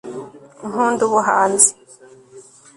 nkunda ubuhanzi